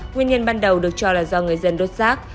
nguyên nhân ban đầu được cho là do người dân đốt rác